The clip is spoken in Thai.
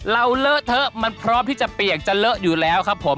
เลอะเทอะมันพร้อมที่จะเปียกจะเลอะอยู่แล้วครับผม